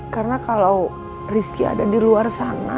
karena kalau rizky ada di luar sana